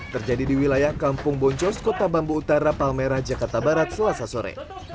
terjadi di wilayah kampung boncos kota bambu utara palmerah jakarta barat selasa sore